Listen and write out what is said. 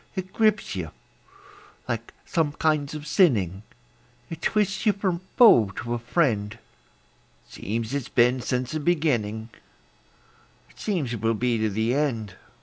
It grips you like some kinds of sinning; It twists you from foe to a friend; It seems it's been since the beginning; It seems it will be to the end.